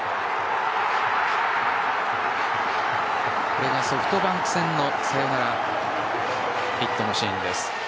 これがソフトバンク戦のサヨナラヒットのシーンです。